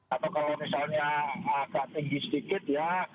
atau kalau misalnya agak tinggi sedikit ya